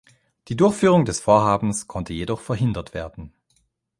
Die Durchführung des Vorhabens konnte jedoch verhindert werden.